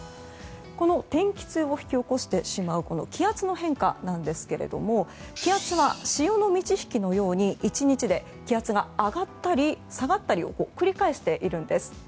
この天気痛を引き起こしてしまう気圧の変化なんですけども気圧は潮の満ち引きのように１日で気圧が上がったり下がったりを繰り返しているんです。